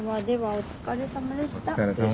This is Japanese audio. お疲れさまでした。